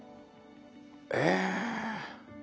ええ！